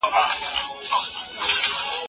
مرګ د بدن د سفر پای دی.